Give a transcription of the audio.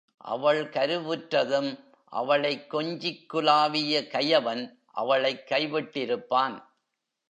அவள் கருவுற்றதும், அவளைக் கொஞ்சிக்குலாவிய கயவன் அவளைக் கைவிட்டிருப்பான்.